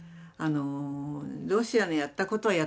ロシアのやったことはやったことです。